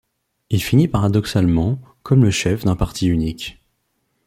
Il finit paradoxalement comme le chef d'un parti unique.